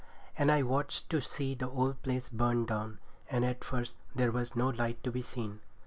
And I watched to see the old place burn down; and at first there was no light to be seen.